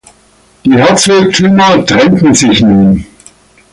Die Herzogtümer trennten sich nun.